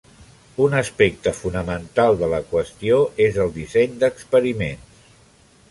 Un aspecte fonamental de la qüestió és el disseny d"experiments.